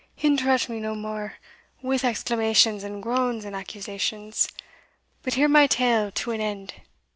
Interrupt me nae mair with exclamations and groans and accusations, but hear my tale to an end!